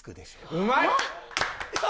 うまい！